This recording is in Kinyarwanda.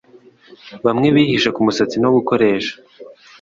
Bamwe bihishe kumunsi no gukoresha